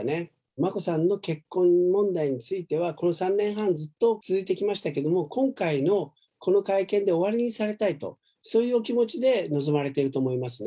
眞子さんの結婚問題については、この３年半、ずっと続いてきましたけども、今回のこの会見で終わりにされたいと、そういうお気持ちで臨まれていると思いますね。